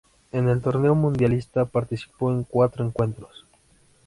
En el torneo mundialista participó en cuatro encuentros.